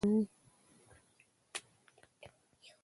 مونږ کاږه واږه وېښتان په ږمونځ باندي ږمنځوو